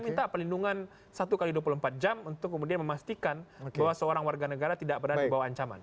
minta perlindungan satu x dua puluh empat jam untuk kemudian memastikan bahwa seorang warga negara tidak pernah dibawa ancaman